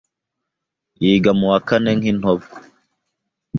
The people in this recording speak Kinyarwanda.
Yiga mu wa kane kintobo